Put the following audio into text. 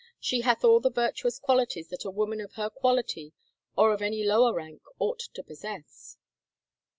She hath all the virtuous qualities that a woman of her quality, or of any lower rank, ought to possess